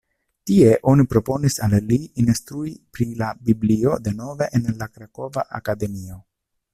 Tie oni proponis al li instrui pri la Biblio denove en la Krakova Akademio.